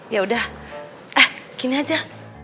ya udah ah gini aja